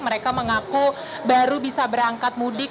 mereka mengaku baru bisa berangkat mudik